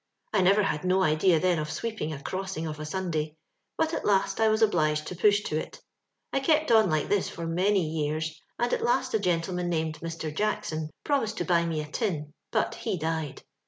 "I never had no idea then of sweeping a crossing of a Sunday; but at last I was obliged to push to it. I kept on like this for many years, and at last a gentleman named Mr. Jackson promised to buy me a tin, but he died.